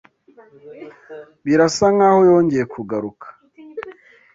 Birasa nkaho yongeye kugaruka